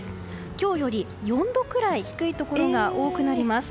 今日より４度くらい低いところが多くなります。